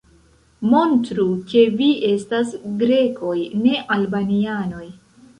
Montru, ke vi estas Grekoj, ne Albanianoj!